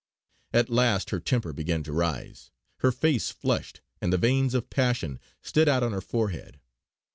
At last her temper began to rise; her face flushed, and the veins, of passion stood out on her forehead.